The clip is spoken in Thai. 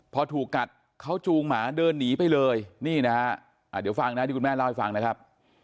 พอถูกกัดเขาจูงหมาเดินหนีไปเลยนี่นะฮะเดี๋ยวฟังนะที่คุณแม่เล่าให้ฟังนะครับ